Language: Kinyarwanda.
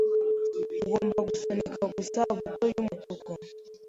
Ugomba gusunika gusa buto yumutuku.